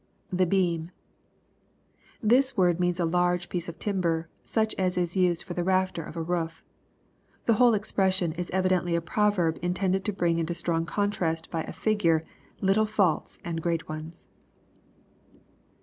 [The heam.] This word means a large piece of timber, such as is used for the rafter of a roof. The whole expression is evidently a proverb intended to bring into strong contrast by a figure, little faults and great ones.